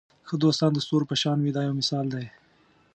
ښه دوستان د ستورو په شان وي دا یو مثال دی.